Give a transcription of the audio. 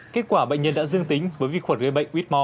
kết quả bệnh nhân đã dương tính với vi khuẩn gây bệnh huyết mò